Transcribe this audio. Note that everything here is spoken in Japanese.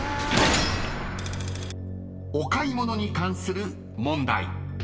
［お買い物に関する問題］